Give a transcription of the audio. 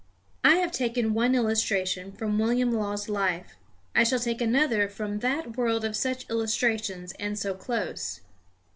I have taken one illustration from William Law's life; I shall take another from that world of such illustrations and so close.